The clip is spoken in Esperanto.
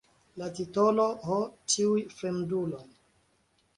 La titolo "Ho, tiuj fremduloj!